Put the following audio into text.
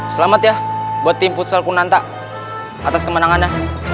selamat ya buat tim futsal kunanta atas kemenangannya